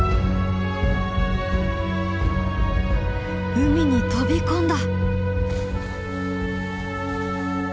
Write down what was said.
海に飛び込んだ！